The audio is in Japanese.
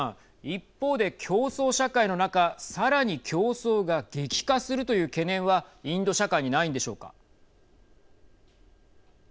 一方で競争社会の中さらに競争が激化するという懸念はインド社会にないんでしょうか。